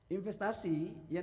investasi yang diperlukan adalah